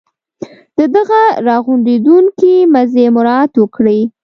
د دغه را غونډوونکي مزي مراعات وکړي.